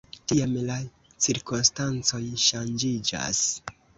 Tiam la cirkonstancoj ŝanĝiĝas.